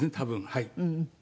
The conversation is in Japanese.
はい。